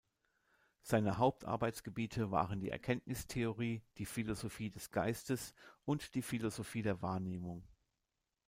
Seine Hauptarbeitsgebiete waren die Erkenntnistheorie, die Philosophie des Geistes und die Philosophie der Wahrnehmung.